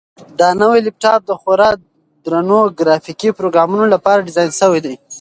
دا نوی لپټاپ د خورا درنو ګرافیکي پروګرامونو لپاره ډیزاین شوی دی.